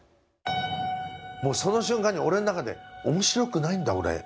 もうその瞬間に俺の中で面白くないんだ俺。